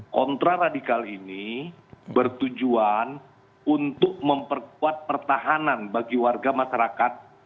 kontraradikal ini bertujuan untuk memperkuat pertahanan bagi warga masyarakat